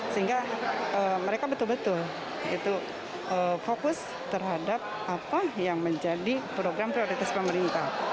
sehingga mereka betul betul fokus terhadap apa yang menjadi program prioritas pemerintah